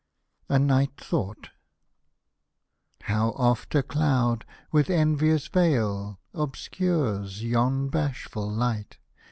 A NIGHT THOUGHT How oft a cloud, with envious veil, Obscures yon bashful light.